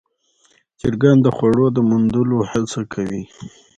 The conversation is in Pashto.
چرګان د خوړو د موندلو هڅه کوي.